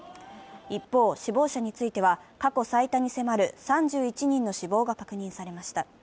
一方、死亡者については過去最多に迫る３１人の死亡が確認されました。